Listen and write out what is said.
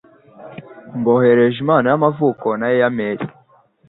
Mboherereje impano y'amavuko na airmail.